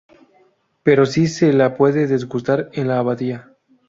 Pero sí se la puede degustar en la Abadía.